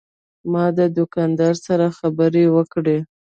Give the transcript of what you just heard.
ما د دوکاندار سره خبرې وکړې.